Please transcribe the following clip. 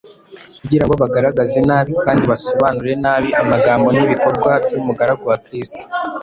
kugira ngo bagaragaze nabi kandi basobanure nabi amagambo n’ibikorwa by’umugaragu wa Kristo;